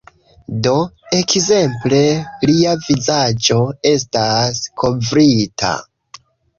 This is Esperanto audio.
Do, ekzemple lia vizaĝo estas kovrita